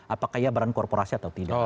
apakah ia barang korporasi atau tidak